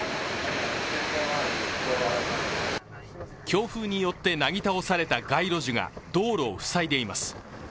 強風によってなぎ倒された街路樹が道路を塞いでいます。